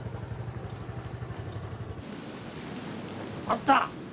あった！